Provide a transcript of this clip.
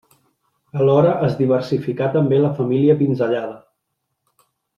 Alhora es diversificà també la família pinzellada.